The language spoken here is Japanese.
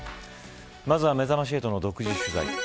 まずは、めざまし８の独自取材。